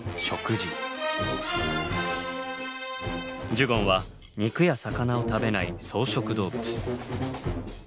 ジュゴンは肉や魚を食べない草食動物。